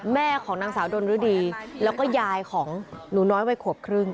แม่ของนางสาวดนฤดีแล้วก็ยายของหนูน้อยวัยขวบครึ่ง